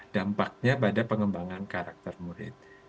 dampaknya pada pengembangan karakter murid